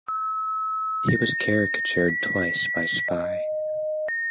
He was caricatured twice by "Spy".